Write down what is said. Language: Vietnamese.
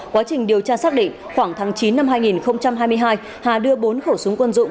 quá trình điều tra xác định khoảng tháng chín năm hai nghìn hai mươi hai hà đưa bốn khẩu súng quân dụng